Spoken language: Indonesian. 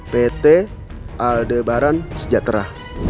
pt aldebaran sejahtera